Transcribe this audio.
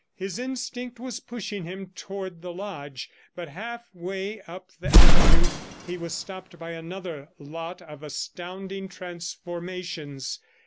His instinct was pushing him toward the lodge, but half way up the avenue, he was stopped by another lot of astounding transformations.